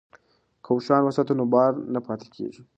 که اوښان وساتو نو بار نه پاتې کیږي.